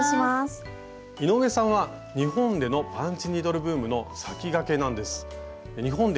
井上さんは日本でのパンチニードルブームの先駆けなんです。